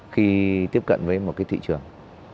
khi tiếp cận với một cái thị trường